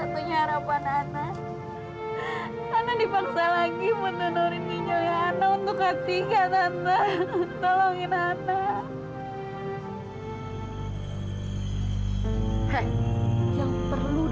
tante gak mau